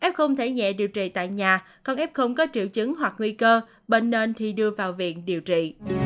f thể nhẹ điều trị tại nhà còn f có triệu chứng hoặc nguy cơ bệnh nên thì đưa vào viện điều trị